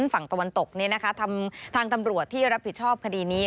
ฝั่งตะวันตกทางตำรวจที่รับผิดชอบคดีนี้